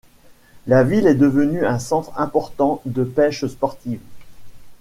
La ville est devenue un centre important de pêche sportive.